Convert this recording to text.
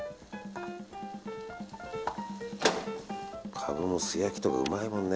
カブの素焼きとかうまいもんね。